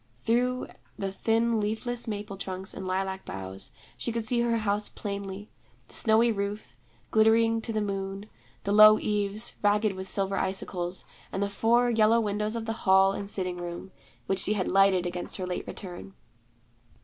Through the thin leafless maple trunks and lilac boughs she could see her house plainly: the snowy roof, glittering to the moon, the low eaves, ragged with silver icicles, and the four yellow windows of the hall and sitting room, which she had lighted against her late return.